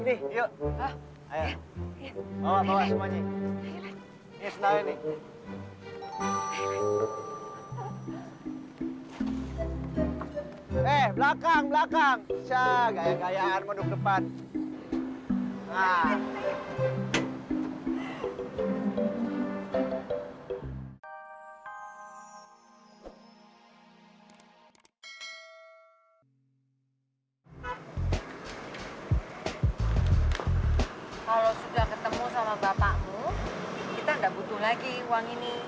kalau sudah ketemu sama bapakmu kita nggak butuh lagi uang ini